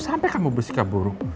sampai kamu bersikap buruk